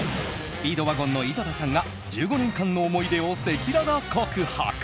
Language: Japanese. スピードワゴンの井戸田さんが１５年間の思い出を赤裸々告白。